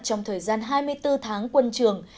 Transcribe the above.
trong thời gian hai mươi bốn tháng quân trường